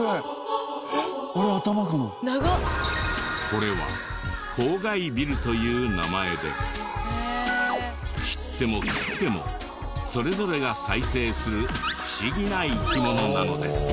これはコウガイビルという名前で切っても切ってもそれぞれが再生する不思議な生き物なのです。